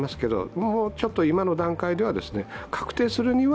もうちょっと今の段階では、確定するには